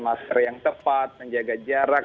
masker yang tepat menjaga jarak